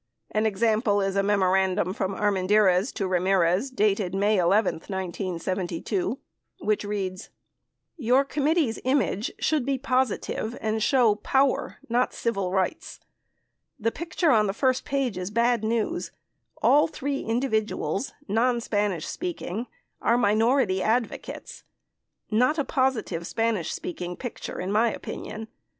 An example is a memorandum from Armendariz to Ramirez dated May 11, 1972, which reads : Your committee's image should be positive and show power — not civil rights. The picture on the first page is bad news ; all three individuals, non Spanish speaking, are minor ity advocates — not a positive Spanish speaking picture in my opinion.